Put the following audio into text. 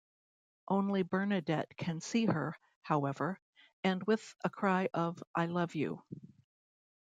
Only Bernadette can see her, however, and with a cry of I love you!